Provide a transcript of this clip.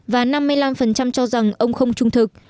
và năm mươi năm cho rằng ông không trung thực